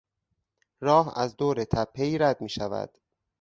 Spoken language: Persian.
راه از دور تپهای رد میشود.